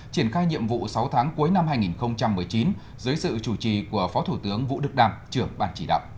triển khai nhiệm vụ sáu tháng cuối năm hai nghìn một mươi chín dưới sự chủ trì của phó thủ tướng vũ đức đam trưởng ban chỉ đạo